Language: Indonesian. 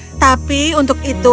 tetapi untuk itu